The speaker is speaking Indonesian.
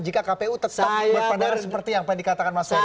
jika kpu tetap berpandangan seperti yang pani katakan masa tadi